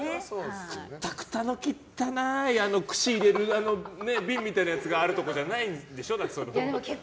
くたくたの汚い串入れる瓶があるところじゃないんでしょ。